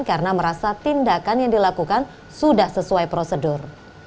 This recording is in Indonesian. karena merasa tindakan yang dilakukan sudah sesuai prosedur